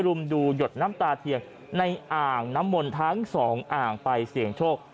รุมดูหยดน้ำตาเทียนในอ่างน้ำมนต์ทั้งสองอ่างไปเสี่ยงโชค